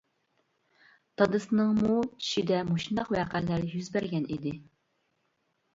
دادىسىنىڭمۇ چۈشىدە مۇشۇنداق ۋەقەلەر يۈز بەرگەن ئىدى.